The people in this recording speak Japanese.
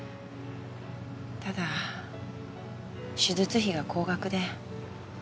ただ手術費が高額で。